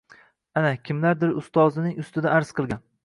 Ana, kimlardir ustozining ustidan arz qilgan.